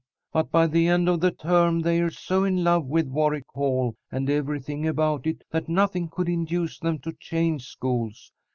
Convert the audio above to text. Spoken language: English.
But by the end of the term they're so in love with Warwick Hall and everything about it that nothing could induce them to change schools.